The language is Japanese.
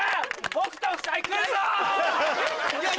北斗夫妻来るぞ！